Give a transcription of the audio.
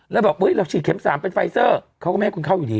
แล้วบอกเราฉีดเข็ม๓เป็นไฟเซอร์เขาก็ไม่ให้คุณเข้าอยู่ดี